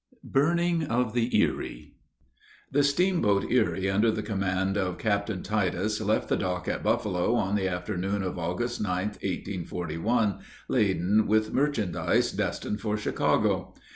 BURNING OF THE ERIE. The steamboat Erie, under command of Captain Titus, left the dock at Buffalo on the afternoon of August 9th, 1841, laden with merchandise, destined for Chicago.